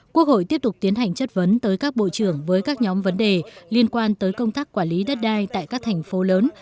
quốc hội tiếp tục tiến hành chất vấn tới các bộ trưởng với các nhóm vấn đề liên quan tới công tác quản lý đất đai tại các thành phố lớn